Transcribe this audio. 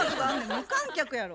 無観客やろ。